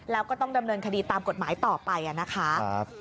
แล้วก็ต้องดำเนินคดีตามกฎหมายต่อไปนะคะ